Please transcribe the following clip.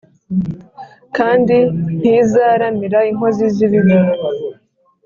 kandi ntizaramira inkozi z’ibibi